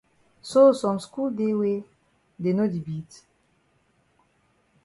So some skul dey wey dey no di beat?